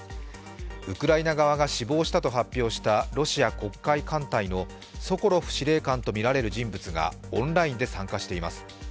ウクライナ側が死亡したと発表したロシア黒海艦隊のソコロフ司令官とみられる人物がオンラインで参加しています。